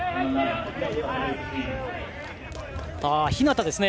日向ですね。